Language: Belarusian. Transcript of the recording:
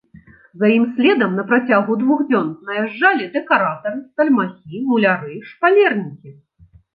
За ім следам на працягу двух дзён наязджалі дэкаратары стальмахі, муляры, шпалернікі.